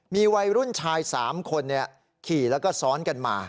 มีวัยรุ่นชาย๓คนขี่แล้วก็ซ้อนกันมา